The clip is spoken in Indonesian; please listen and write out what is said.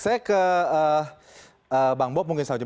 saya ke bang bob mungkin selanjutnya